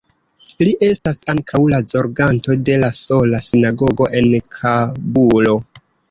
Li estas ankaŭ la zorganto de la sola sinagogo en Kabulo.